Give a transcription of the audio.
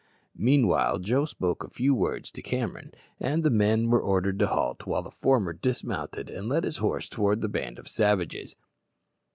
Meanwhile Joe spoke a few words to Cameron, and the men were ordered to halt, while the former dismounted and led his horse towards the band of savages.